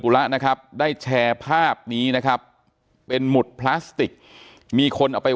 ละนะครับได้แชร์ภาพนี้นะครับเป็นหมุดพลาสติกมีคนเอาไป